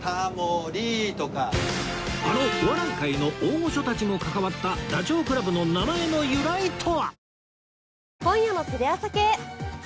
あのお笑い界の大御所たちも関わったダチョウ倶楽部の名前の由来とは？